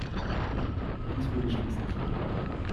Dies wurde schließlich erreicht.